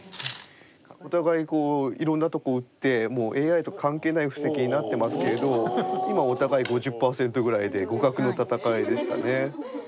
お互いこういろんなとこ打ってもうＡＩとか関係ない布石になってますけれど今お互い５０％ぐらいで互角の戦いでしたね。